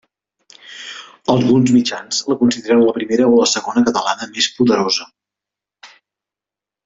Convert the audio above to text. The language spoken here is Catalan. Alguns mitjans la consideren la primera o la segona catalana més poderosa.